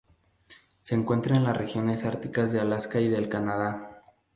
Se encuentra en las regiones árticas de Alaska y del Canadá.